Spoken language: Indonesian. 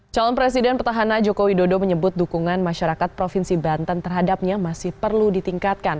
calon presiden petahana jokowi dodo menyebut dukungan masyarakat provinsi banten terhadapnya masih perlu ditingkatkan